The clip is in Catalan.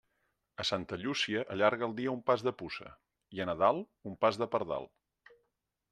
A Santa Llúcia allarga el dia un pas de puça, i a Nadal un pas de pardal.